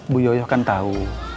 bu yoyo kan tau